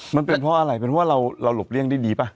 มันเป็นเพราะอะไรเป็นเพราะว่าเราหลบเลี่ยงได้ดีป่ะ